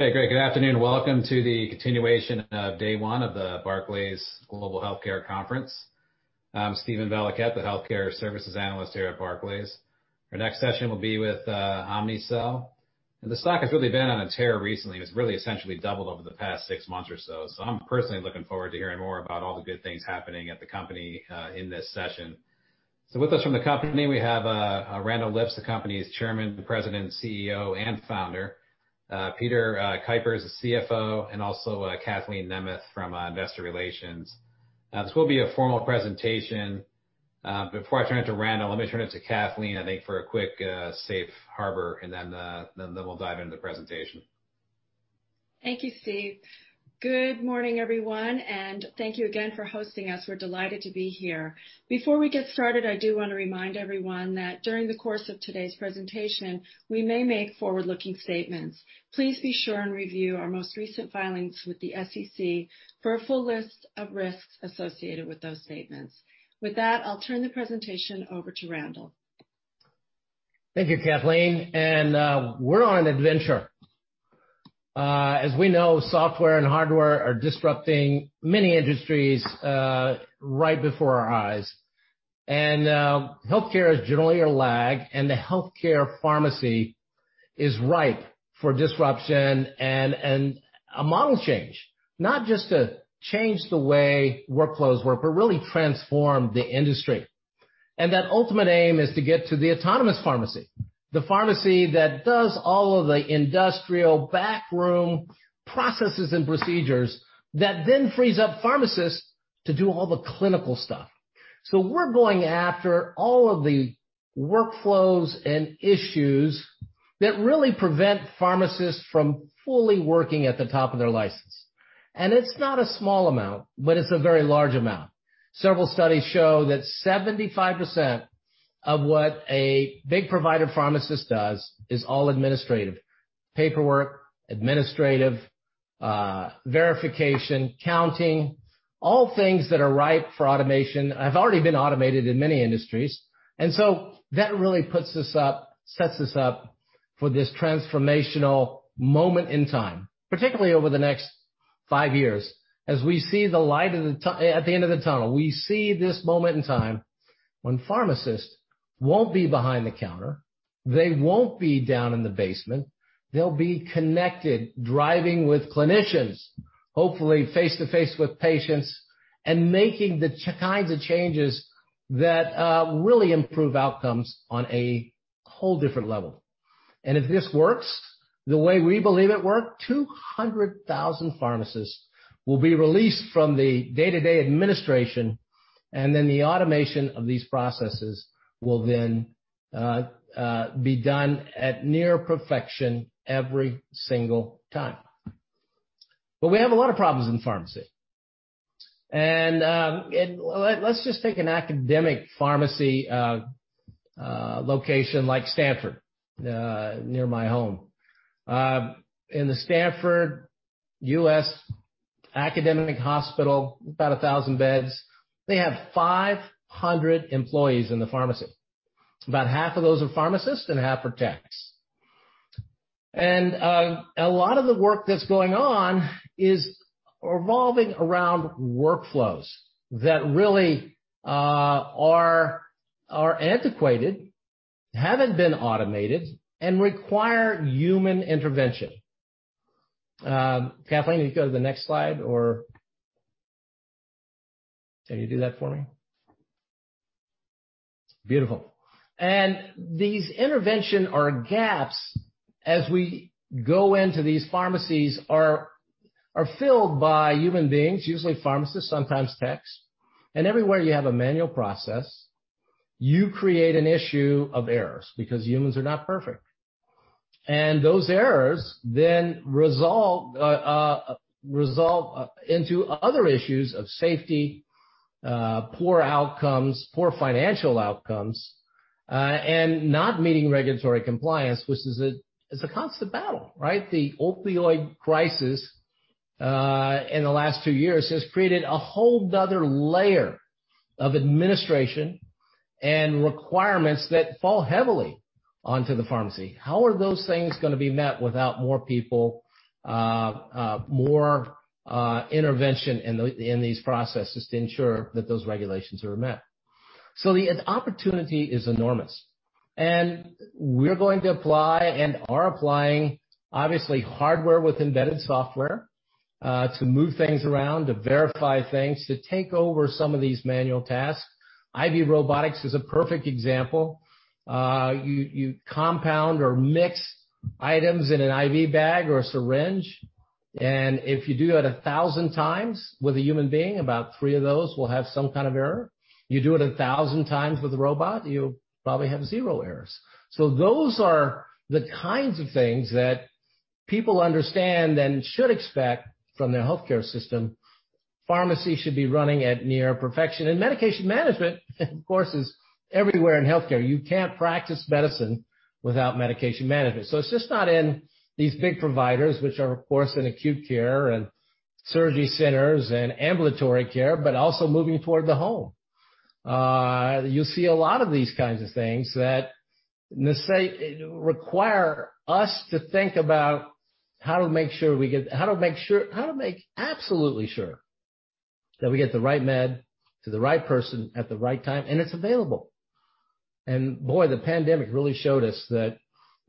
Okay, great. Good afternoon. Welcome to the continuation of day one of the Barclays Global Healthcare Conference. I'm Steven Valiquette, the healthcare services analyst here at Barclays. Our next session will be with Omnicell. The stock has really been on a tear recently. It's really essentially doubled over the past six months or so. I'm personally looking forward to hearing more about all the good things happening at the company, in this session. With us from the company, we have, Randall Lipps, the company's Chairman, President, CEO, and Founder. Peter Kuipers is the CFO. Also Kathleen Nemeth from Investor Relations. This will be a formal presentation. Before I turn it to Randall, let me turn it to Kathleen, I think for a quick safe harbor. Then we'll dive into the presentation. Thank you, Steven. Good morning, everyone, and thank you again for hosting us. We're delighted to be here. Before we get started, I do want to remind everyone that during the course of today's presentation, we may make forward-looking statements. Please be sure and review our most recent filings with the SEC for a full list of risks associated with those statements. With that, I'll turn the presentation over to Randall. Thank you, Kathleen. We're on an adventure. As we know, software and hardware are disrupting many industries right before our eyes. Healthcare is generally a lag, and the healthcare pharmacy is ripe for disruption and a model change. Not just to change the way workflows work, but really transform the industry. That ultimate aim is to get to the Autonomous Pharmacy, the pharmacy that does all of the industrial back room processes and procedures that then frees up pharmacists to do all the clinical stuff. We're going after all of the workflows and issues that really prevent pharmacists from fully working at the top of their license. It's not a small amount, but it's a very large amount. Several studies show that 75% of what a big provider pharmacist does is all administrative. Paperwork, administrative, verification, counting, all things that are ripe for automation, have already been automated in many industries. That really sets us up for this transformational moment in time, particularly over the next five years as we see the light at the end of the tunnel. We see this moment in time when pharmacists won't be behind the counter, they won't be down in the basement. They'll be connected, driving with clinicians, hopefully face-to-face with patients, and making the kinds of changes that really improve outcomes on a whole different level. If this works the way we believe it will work, 200,000 pharmacists will be released from the day-to-day administration, then the automation of these processes will then be done at near perfection every single time. We have a lot of problems in pharmacy, and let's just take an academic pharmacy location like Stanford, near my home. In the Stanford U.S. Academic Hospital, about 1,000 beds, they have 500 employees in the pharmacy. About half of those are pharmacists and half are techs. A lot of the work that's going on is revolving around workflows that really are antiquated, haven't been automated, and require human intervention. Kathleen, can you go to the next slide, or can you do that for me? Beautiful. These intervention or gaps, as we go into these pharmacies, are filled by human beings, usually pharmacists, sometimes techs. Everywhere you have a manual process, you create an issue of errors because humans are not perfect, and those errors then resolve into other issues of safety, poor outcomes, poor financial outcomes, and not meeting regulatory compliance, which is a constant battle, right? The opioid crisis, in the last two years, has created a whole another layer of administration and requirements that fall heavily onto the pharmacy. How are those things going to be met without more people, more intervention in these processes to ensure that those regulations are met? The opportunity is enormous, and we're going to apply and are applying, obviously, hardware with embedded software, to move things around, to verify things, to take over some of these manual tasks. IV robotics is a perfect example. You compound or mix items in an IV bag or syringe, if you do that 1,000x with a human being, about three of those will have some kind of error. You do it 1,000x with a robot, you'll probably have zero errors. Those are the kinds of things that people understand and should expect from their healthcare system. Pharmacy should be running at near perfection. Medication management, of course, is everywhere in healthcare. You can't practice medicine without medication management. It's just not in these big providers, which are, of course, in acute care and surgery centers and ambulatory care, but also moving toward the home. You'll see a lot of these kinds of things that require us to think about how to make absolutely sure that we get the right med to the right person at the right time, and it's available. Boy, the pandemic really showed us that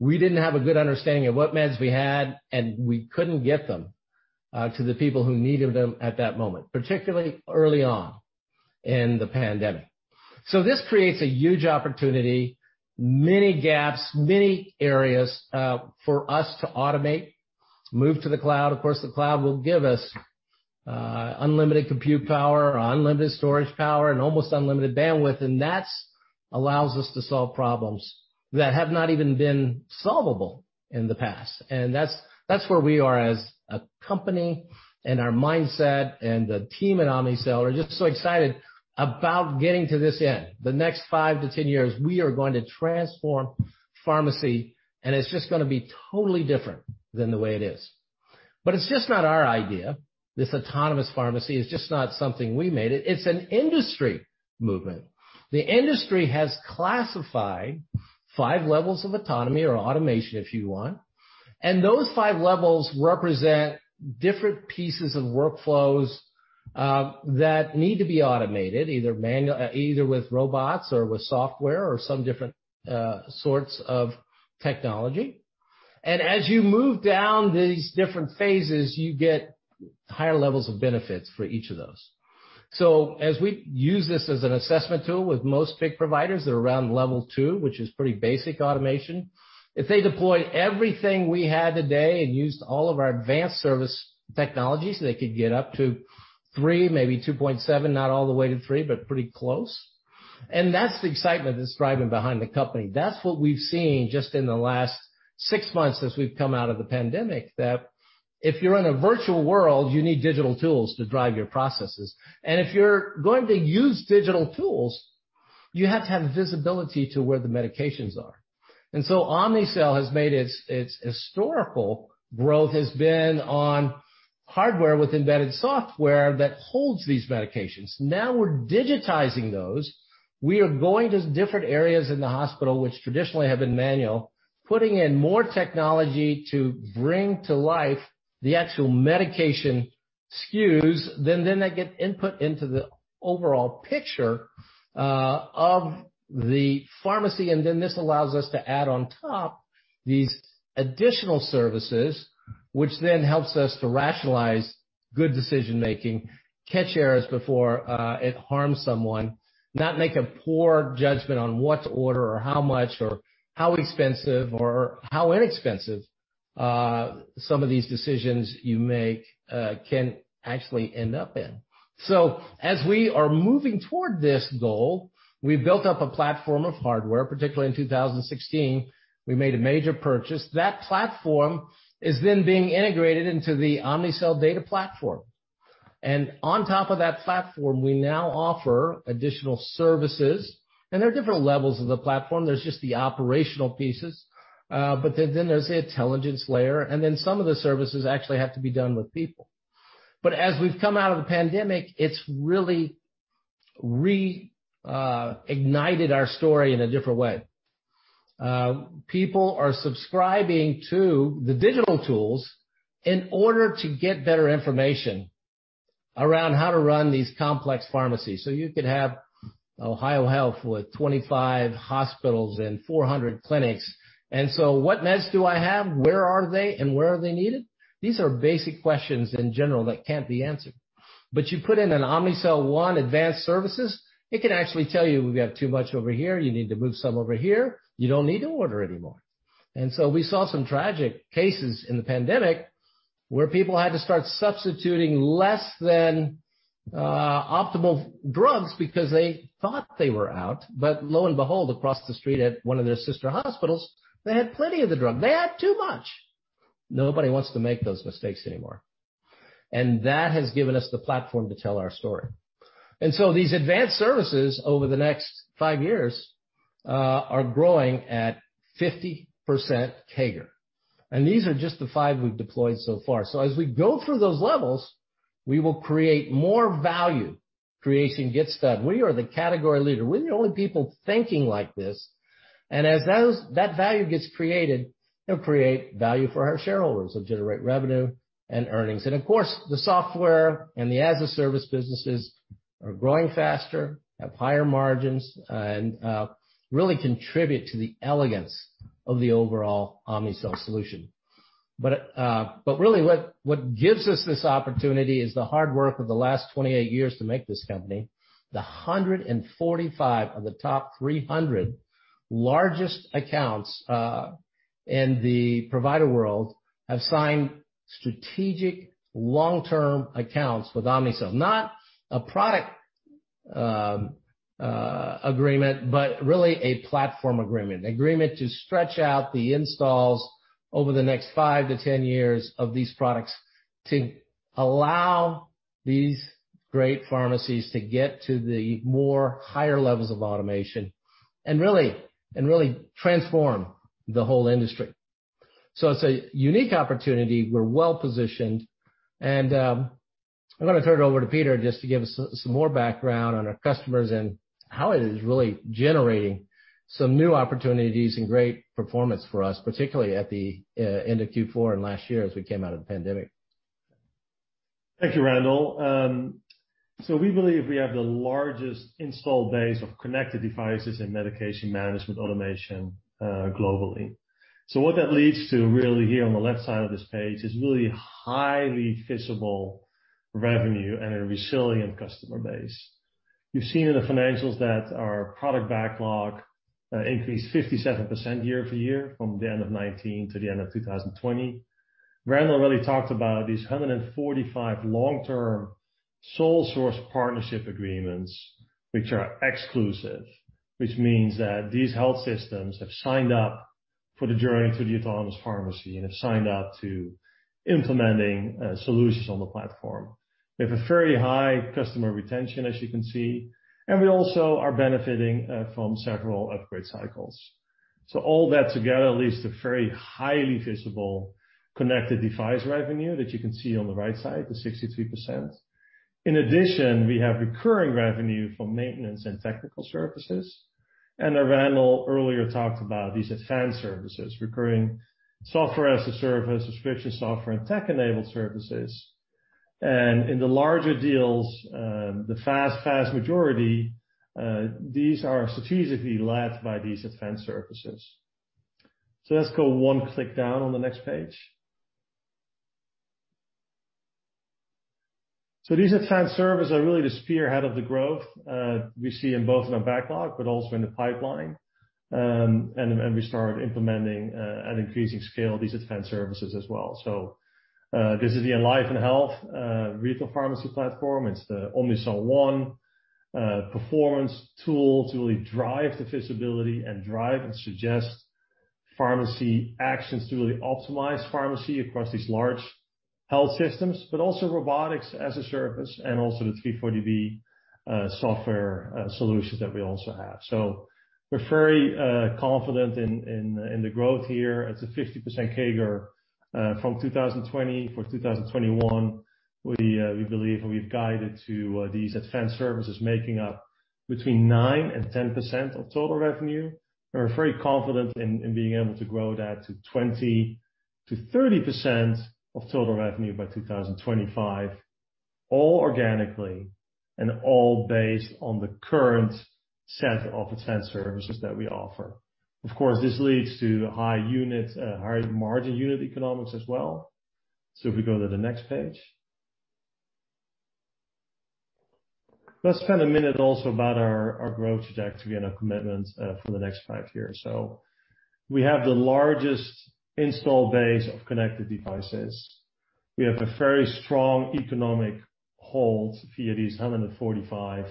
we didn't have a good understanding of what meds we had, and we couldn't get them to the people who needed them at that moment, particularly early on in the pandemic. This creates a huge opportunity, many gaps, many areas for us to automate, to move to the cloud. Of course, the cloud will give us unlimited compute power, unlimited storage power, and almost unlimited bandwidth. That allows us to solve problems that have not even been solvable in the past. That's where we are as a company, and our mindset, and the team at Omnicell are just so excited about getting to this end. The next five to 10 years, we are going to transform pharmacy, it's just going to be totally different than the way it is. It's just not our idea. This Autonomous Pharmacy is just not something we made. It's an industry movement. The industry has classified five levels of autonomy or automation, if you want, those five levels represent different pieces of workflows that need to be automated, either with robots or with software or some different sorts of technology. As you move down these different phases, you get higher levels of benefits for each of those. As we use this as an assessment tool with most big providers, they're around level two, which is pretty basic automation. If they deployed everything we had today and used all of our advanced service technologies, they could get up to three, maybe two point seven, not all the way to three, but pretty close. That's the excitement that's driving behind the company. That's what we've seen just in the last six months as we've come out of the pandemic, that if you're in a virtual world, you need digital tools to drive your processes. If you're going to use digital tools, you have to have visibility to where the medications are. Omnicell has made its historical growth has been on hardware with embedded software that holds these medications. Now we're digitizing those. We are going to different areas in the hospital which traditionally have been manual, putting in more technology to bring to life the actual medication SKUs. They get input into the overall picture of the pharmacy, and then this allows us to add on top these additional services, which then helps us to rationalize good decision-making, catch errors before it harms someone, not make a poor judgment on what to order or how much or how expensive or how inexpensive some of these decisions you make can actually end up in. As we are moving toward this goal, we built up a platform of hardware, particularly in 2016, we made a major purchase. That platform is then being integrated into the Omnicell data platform. On top of that platform, we now offer additional services. There are different levels of the platform. There's just the operational pieces, but then there's the intelligence layer, and then some of the services actually have to be done with people. As we've come out of the pandemic, it's really reignited our story in a different way. People are subscribing to the digital tools in order to get better information around how to run these complex pharmacies. You could have OhioHealth with 25 hospitals and 400 clinics. What meds do I have? Where are they, and where are they needed? These are basic questions in general that can't be answered. You put in an Omnicell One advanced services, it can actually tell you we have too much over here. You need to move some over here. You don't need to order anymore. We saw some tragic cases in the pandemic where people had to start substituting less than optimal drugs because they thought they were out, but lo and behold, across the street at one of their sister hospitals, they had plenty of the drug. They had too much. Nobody wants to make those mistakes anymore. That has given us the platform to tell our story. These advanced services over the next five years are growing at 50% CAGR. These are just the five we've deployed so far. As we go through those levels, we will create more value creation gets done. We are the category leader. We're the only people thinking like this. As that value gets created, it'll create value for our shareholders. It'll generate revenue and earnings. Of course, the software and the as a service businesses are growing faster, have higher margins, and really contribute to the elegance of the overall Omnicell solution. Really what gives us this opportunity is the hard work of the last 28 years to make this company. The 145 of the top 300 largest accounts in the provider world have signed strategic long-term accounts with Omnicell. Not a product agreement, but really a platform agreement, an agreement to stretch out the installs over the next five to 10 years of these products to allow these great pharmacies to get to the more higher levels of automation and really transform the whole industry. It's a unique opportunity. We're well-positioned. I'm going to turn it over to Peter just to give us some more background on our customers and how it is really generating some new opportunities and great performance for us, particularly at the end of Q4 and last year as we came out of the pandemic. Thank you, Randall. We believe we have the largest install base of connected devices and medication management automation globally. What that leads to really here on the left side of this page is really highly visible revenue and a resilient customer base. You've seen in the financials that our product backlog increased 57% year-over-year from the end of 2019 to the end of 2020. Randall really talked about these 145 long-term sole source partnership agreements, which are exclusive, which means that these health systems have signed up for the journey to the Autonomous Pharmacy and have signed up to implementing solutions on the platform. We have a very high customer retention, as you can see, and we also are benefiting from several upgrade cycles. All that together leads to very highly visible connected device revenue that you can see on the right side, the 63%. In addition, we have recurring revenue from maintenance and technical services. Randall earlier talked about these advanced services, recurring software as a service, subscription software, and tech-enabled services. In the larger deals, the vast majority, these are strategically led by these advanced services. Let's go one click down on the next page. These advanced services are really the spearhead of the growth we see in both the backlog but also in the pipeline. We start implementing at increasing scale these advanced services as well. This is the EnlivenHealth retail pharmacy platform. It's the Omnicell One performance tool to really drive the visibility and drive and suggest pharmacy actions to really optimize pharmacy across these large health systems, but also robotics as a service and also the 340B software solutions that we also have. We're very confident in the growth here. It's a 50% CAGR from 2020 for 2021. We believe we've guided to these advanced services making up between 9% and 10% of total revenue, and we're very confident in being able to grow that to 20%-30% of total revenue by 2025, all organically and all based on the current set of advanced services that we offer. This leads to high margin unit economics as well. If we go to the next page. Let's spend a minute also about our growth trajectory and our commitment for the next five years. We have the largest install base of connected devices. We have a very strong economic hold via these 145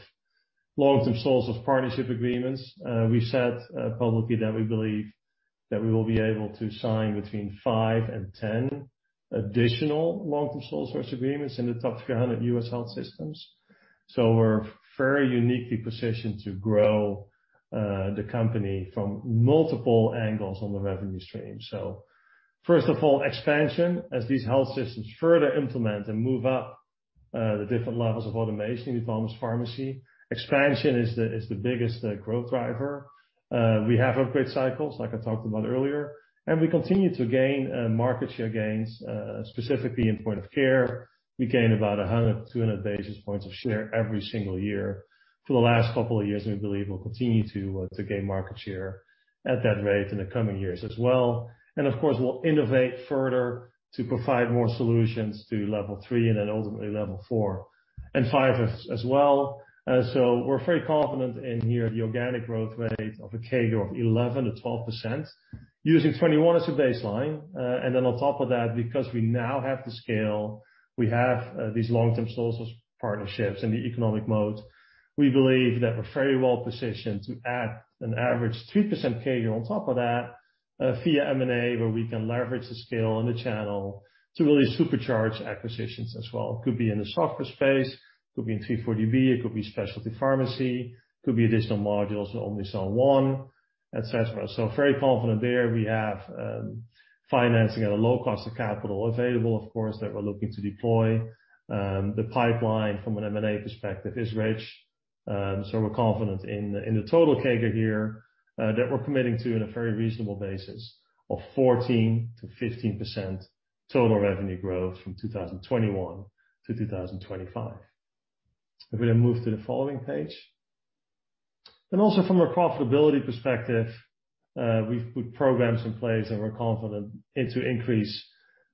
long-term source of partnership agreements. We said publicly that we believe that we will be able to sign between five and 10 additional long-term sole source agreements in the top 300 U.S. health systems. We're very uniquely positioned to grow the company from multiple angles on the revenue stream. First of all, expansion. As these health systems further implement and move up the different levels of automation in Autonomous Pharmacy, expansion is the biggest growth driver. We have upgrade cycles, like I talked about earlier, and we continue to gain market share gains, specifically in point of care. We gain about 100, 200 basis points of share every single year. For the last couple of years, we believe we'll continue to gain market share at that rate in the coming years as well. Of course, we'll innovate further to provide more solutions to level three and then ultimately level four and five as well. We're very confident in here the organic growth rate of a CAGR of 11%-12%, using 2021 as a baseline. On top of that, because we now have the scale, we have these long-term sources partnerships and the economic moat, we believe that we're very well positioned to add an average 3% CAGR on top of that via M&A, where we can leverage the scale and the channel to really supercharge acquisitions as well. It could be in the software space, it could be in 340B, it could be specialty pharmacy, it could be additional modules on Omnicell One, et cetera. Very confident there. We have financing at a low cost of capital available, of course, that we're looking to deploy. The pipeline from an M&A perspective is rich. We're confident in the total CAGR here that we're committing to in a very reasonable basis of 14%-15% total revenue growth from 2021-2025. If we move to the following page. Also from a profitability perspective, we put programs in place, and we're confident it will increase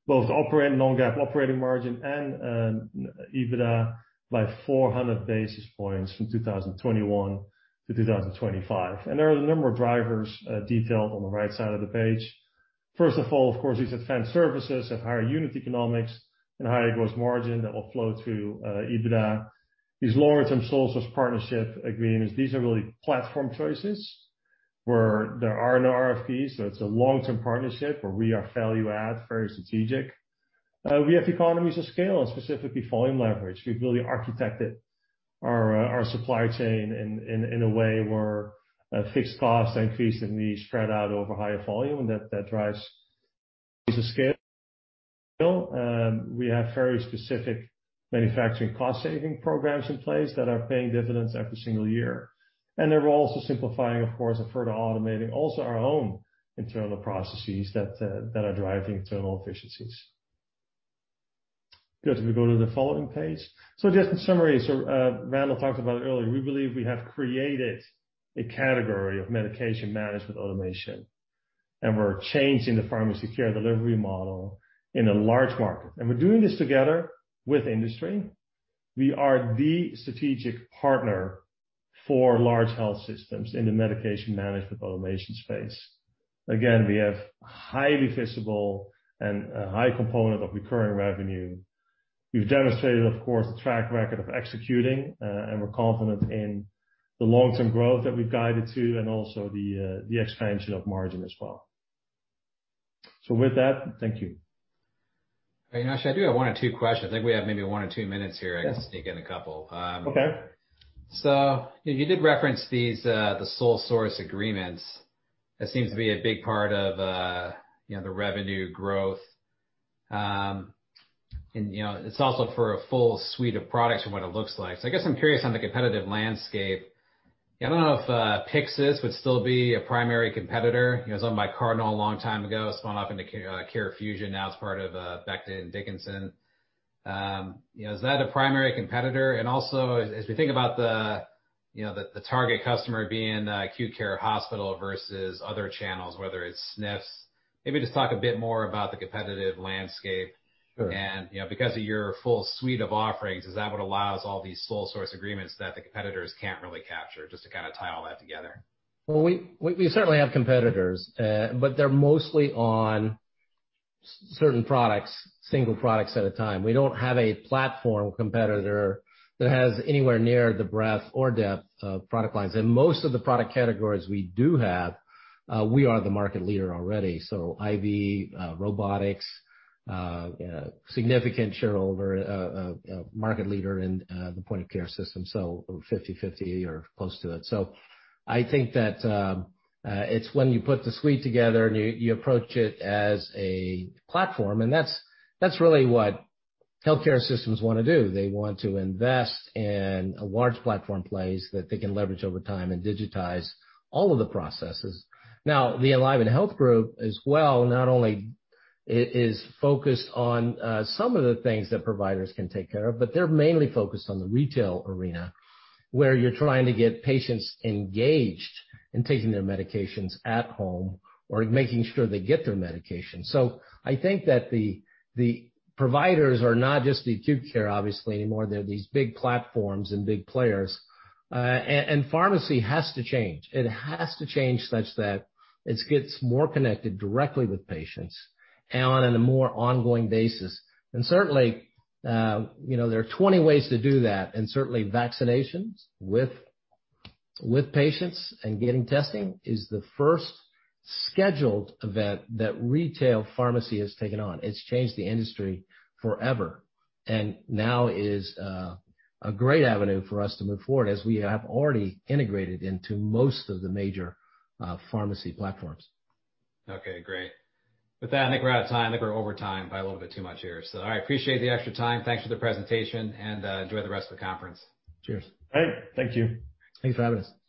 both non-GAAP operating margin and EBITDA by 400 basis points from 2021-2025. There are a number of drivers detailed on the right side of the page. First of all, of course, these advanced services have higher unit economics and higher gross margin that will flow through EBITDA. These long-term sole source partnership agreements, these are really platform choices where there are no RFPs. It's a long-term partnership where we are value add, very strategic. We have economies of scale and specifically volume leverage. We've really architected our supply chain in a way where fixed costs are increasingly spread out over higher volume, and that drives economies of scale. We have very specific manufacturing cost-saving programs in place that are paying dividends every single year. They're also simplifying, of course, and further automating also our own internal processes that are driving internal efficiencies. Good. If we go to the following page. Just in summary, Randall talked about it earlier, we believe we have created a category of medication management automation, and we're changing the pharmacy care delivery model in a large market. We're doing this together with industry. We are the strategic partner for large health systems in the medication management automation space. Again, we have highly visible and a high component of recurring revenue. We've demonstrated, of course, a track record of executing, and we're confident in the long-term growth that we've guided to and also the expansion of margin as well. With that, thank you. Hey, Nash, I do have one or two questions. I think we have maybe one or two minutes here. Yeah. I can sneak in a couple. Okay. You did reference the sole source agreements. That seems to be a big part of the revenue growth. It's also for a full suite of products from what it looks like. I guess I'm curious on the competitive landscape. I don't know if Pyxis would still be a primary competitor. It was owned by Cardinal a long time ago, spun off into CareFusion, now it's part of Becton Dickinson. Is that a primary competitor? Also, as we think about the target customer being the acute care hospital versus other channels, whether it's SNFs, maybe just talk a bit more about the competitive landscape. Sure. Because of your full suite of offerings, is that what allows all these sole source agreements that the competitors can't really capture? Just to kind of tie all that together. Well, we certainly have competitors, but they're mostly on certain products, single products at a time. We don't have a platform competitor that has anywhere near the breadth or depth of product lines. In most of the product categories we do have, we are the market leader already. IV robotics, a significant shareholder, a market leader in the point of care system, 50/50 or close to it. I think that it's when you put the suite together and you approach it as a platform, and that's really what healthcare systems want to do. They want to invest in a large platform place that they can leverage over time and digitize all of the processes. The EnlivenHealth group as well, not only is focused on some of the things that providers can take care of, but they're mainly focused on the retail arena, where you're trying to get patients engaged in taking their medications at home or making sure they get their medication. I think that the providers are not just the acute care, obviously, anymore. They're these big platforms and big players. Pharmacy has to change. It has to change such that it gets more connected directly with patients and on a more ongoing basis. Certainly, there are 20 ways to do that, and certainly vaccinations with patients and getting testing is the first scheduled event that retail pharmacy has taken on. It's changed the industry forever. Now is a great avenue for us to move forward, as we have already integrated into most of the major pharmacy platforms. Okay, great. With that, I think we're out of time. I think we're over time by a little bit too much here. I appreciate the extra time. Thanks for the presentation, and enjoy the rest of the conference. Cheers. Great. Thank you. Thanks for having us.